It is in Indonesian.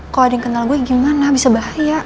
kalau ada yang kenal gue gimana bisa bahaya